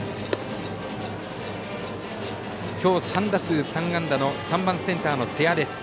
今日３打数３安打の３番センターの瀬谷です。